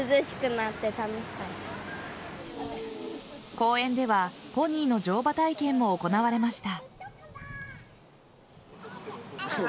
公園ではポニーの乗馬体験も行われました。